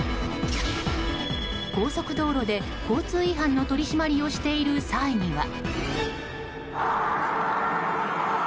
高速道路で交通違反の取り締まりをしている際には。